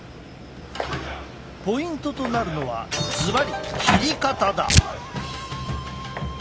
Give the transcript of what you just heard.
ポイントとなるのはずばり切り方だ。